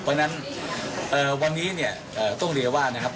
เพราะฉะนั้นวันนี้เนี่ยต้องเรียกว่านะครับ